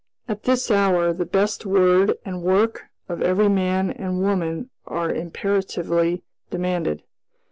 "At this hour, the best word and work of every man and woman are imperatively demanded.